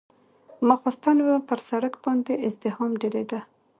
ماخستن به پر سړک باندې ازدحام ډېرېده.